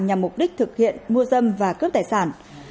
nhằm mục đích thực hiện mua dâm và cướp tài sản